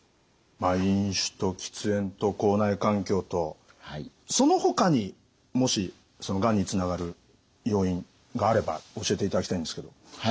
飲酒と喫煙と口内環境とそのほかにもしがんにつながる要因があれば教えていただきたいんですけど。